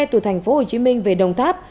từ thành phố hồ chí minh về đồng tháp